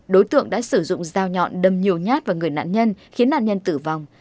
đối tượng đã sử dụng dao nhọn đâm nhiều nhát vào người nạn nhân khiến nạn nhân tử vong